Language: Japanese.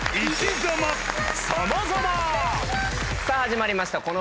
さあ始まりました。